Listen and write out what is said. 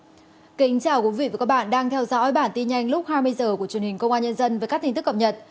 xin kính chào quý vị và các bạn đang theo dõi bản tin nhanh lúc hai mươi h của truyền hình công an nhân dân với các tin tức cập nhật